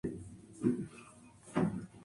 Las páginas afectadas incluían webs financieras.